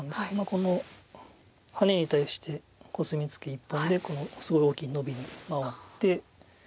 このハネに対してコスミツケ１本でこのすごい大きいノビに回って。